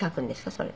それ。